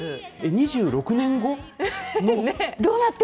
２６年後の？